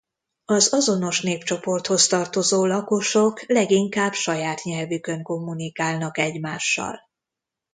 Az azonos népcsoporthoz tartozó lakosok leginkább saját nyelvükön kommunikálnak egymással.